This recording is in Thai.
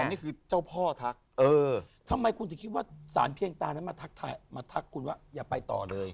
นี่คือเจ้าพ่อทักเออทำไมคุณจะคิดว่าสารเพียงตานั้นมาทักคุณว่าอย่าไปต่อเลย